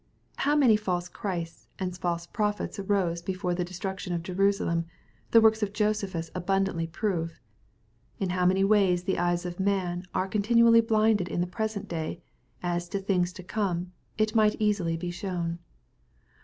How many false _Christs and false prophets arose before the de struction of Jerusalemfthe works of Josephus abundantly prove. In how many ways the eyes of man are con tinually blinded in the present day, as to things to come, it might easily be shown.